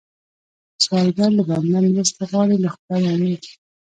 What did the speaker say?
سوالګر له بنده مرسته غواړي، له خدایه امید